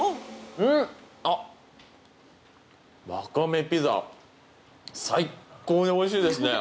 うん、ワカメピザ最高においしいですね。